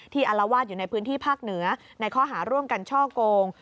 อารวาสอยู่ในพื้นที่ภาคเหนือในข้อหาร่วมกันช่อโกง